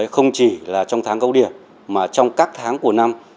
không chỉ là trong tháng cấu điểm mà trong các tháng của năm